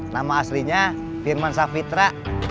nama aslinya firman safitra